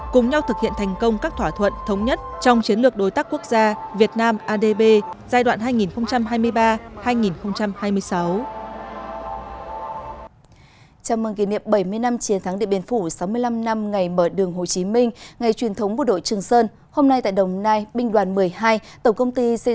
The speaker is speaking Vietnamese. cùng nhau thực hiện thành công các thỏa thuận thống nhất trong chiến lược đối tác quốc gia việt nam adb giai đoạn hai nghìn hai mươi ba hai nghìn hai mươi sáu